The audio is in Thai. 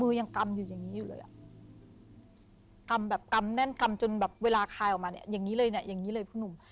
ยังกำอยู่อย่างนี้อยู่เลยอ่ะกำแบบกำแน่นกำจนแบบเวลาคายออกมาเนี่ยอย่างนี้เลยเนี่ยอย่างนี้เลยคุณหนุ่ม